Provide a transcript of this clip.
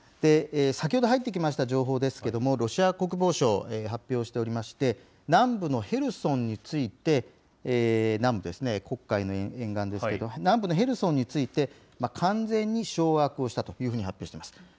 先ほど入ってきました情報ですけれども、ロシア国防省、発表しておりまして、南部のヘルソンについて、南部ですね、黒海の沿岸ですけれども、南部のヘルソンについて、完全に掌握をしたというふうに発表してます。